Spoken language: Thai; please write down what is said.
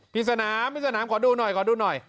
พี่สนามขอดูหน่อย